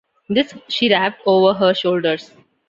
This she wrapped over her shoulders.